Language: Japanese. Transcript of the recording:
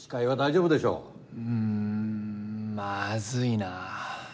うーんまずいなあ。